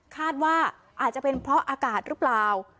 คาดว่าอาจจะเป็นเพราะอากาศหรือเปล่า